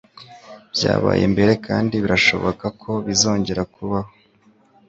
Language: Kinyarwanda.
Byabaye mbere kandi birashoboka ko bizongera kubaho